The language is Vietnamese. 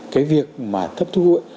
cái việc mà thất thu